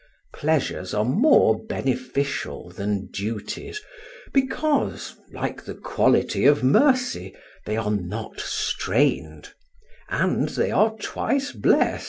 Pleasures are more beneficial than duties because, like the quality of mercy, they are not strained, and they are twice blest.